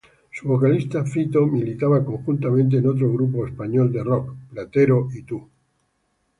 Su vocalista, Fito, militaba conjuntamente en otro grupo español de rock: Platero y Tú.